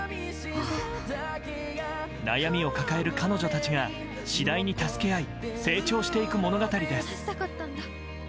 悩みを抱える彼女たちが次第に助け合い成長していく物語です。